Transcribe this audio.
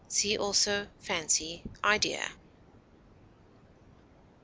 See also FANCY; IDEA.